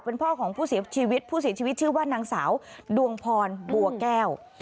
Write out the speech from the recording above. เป็นพ่อของผู้เสียชีวิตผู้เสียชีวิตชื่อว่านางสาวดวงพรบัวแก้ว